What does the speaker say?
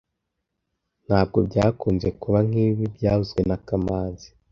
Ntabwo byakunze kuba nkibi byavuzwe na kamanzi